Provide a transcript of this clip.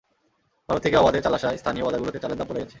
ভারত থেকে অবাধে চাল আসায় স্থানীয় বাজারগুলোতে চালের দাম পড়ে গেছে।